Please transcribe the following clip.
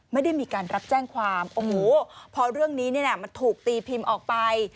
ไม่ได้มีการรับแจ้งความโอ้โหพอเรื่องนี้มันถูกตีพิมพ์ออกไป